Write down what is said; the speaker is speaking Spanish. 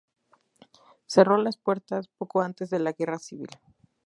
Cerró las puertas poco antes de la Guerra Civil.